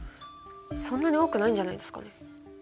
そんなに多くないんじゃないですかね？